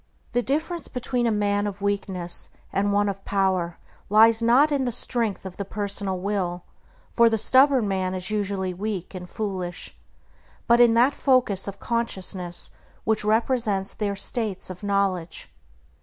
The difference between a man of weakness and one of power lies not in the strength of the personal will (for the stubborn man is usually weak and foolish), but in that focus of consciousness which represents their states of knowledge.